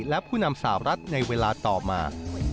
และผู้นำสาวรัฐในเวลาต่อมา